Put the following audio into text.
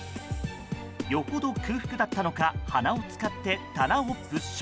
よほど空腹だったのか鼻を使って棚を物色。